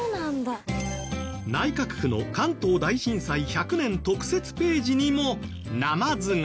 内閣府の「関東大震災１００年」特設ページにもナマズが。